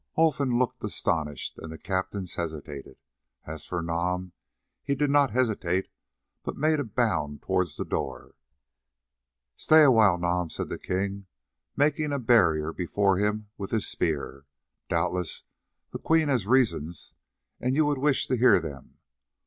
Olfan looked astonished and the captains hesitated. As for Nam, he did not hesitate, but made a bound towards the door. "Stay awhile, Nam," said the king, making a barrier before him with his spear; "doubtless the Queen has reasons, and you would wish to hear them.